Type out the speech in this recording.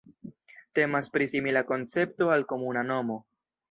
Temas pri simila koncepto al komuna nomo.